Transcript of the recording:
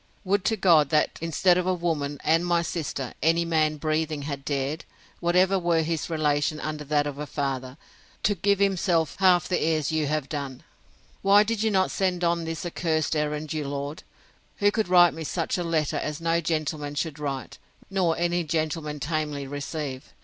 —Would to God, that, instead of a woman, and my sister, any man breathing had dared, whatever were his relation under that of a father, to give himself half the airs you have done!—Why did you not send on this accursed errand your lord, who could write me such a letter as no gentleman should write, nor any gentleman tamely receive?